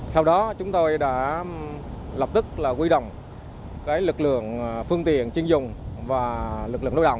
sau đó chúng tôi đã lập tức huy động lực lượng phương tiện chuyên dùng và lực lượng nội đồng